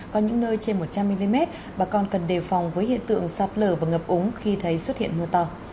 có những nơi trên một trăm linh mm và còn cần đề phòng với hiện tượng sạt lở và ngập ống khi thấy xuất hiện mưa to